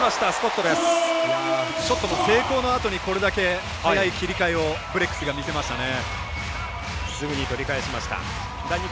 ショットの成功のあとにこれだけ早い切り替えをブレックスが見せましたね。